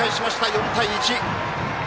４対１。